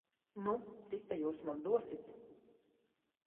Nu, cik ta jūs man dosit?